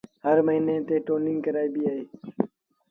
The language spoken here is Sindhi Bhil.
هر موهيݩي تي ٽونيٚنگ ڪرآئيبيٚ اهي